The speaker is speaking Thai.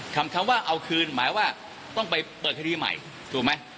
คำว่าเอาคืนหมายว่าต้องไปเปิดคดีใหม่ถูกไหม